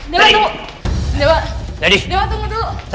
dewa tunggu dulu